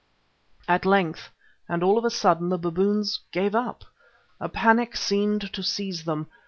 At length, and all of a sudden, the baboons gave up. A panic seemed to seize them.